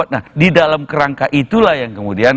nah di dalam kerangka itulah yang kemudian